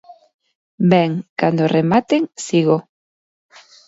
Ben, cando rematen, sigo.